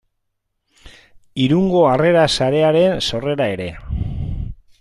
Irungo Harrera Sarearen sorrera ere.